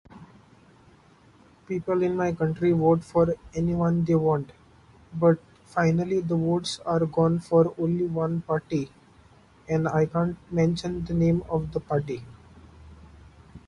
People in my country work for anyone they want. But, finally, the rules are gone for only one party. And I can't mention the name of the party.